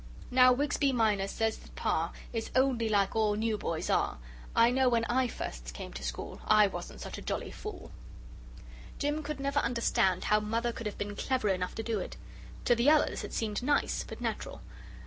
Now Wigsby Minor says that Parr Is only like all new boys are. I know when I first came to school I wasn't such a jolly fool! Jim could never understand how Mother could have been clever enough to do it. To the others it seemed nice, but natural.